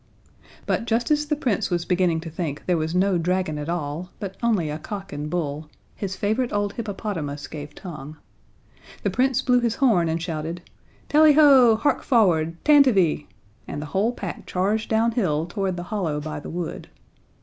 But just as the Prince was beginning to think there was no dragon at all, but only a cock and bull, his favourite old hippopotamus gave tongue. The Prince blew his horn and shouted: "Tally ho! Hark forward! Tantivy!" and the whole pack charged downhill toward the hollow by the wood.